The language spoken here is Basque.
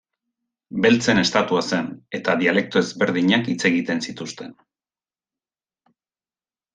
Beltzen estatua zen eta dialekto ezberdinak hitz egiten zituzten.